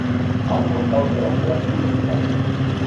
A un costado de Ciudad Universitaria.